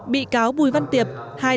bị cáo bùi văn tiệp hai ba năm tù